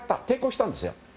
抵抗したんですよ。